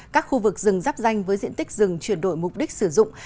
các khu vực rừng giáp danh với diện tích rừng chuyển đổi mục đích sử dụng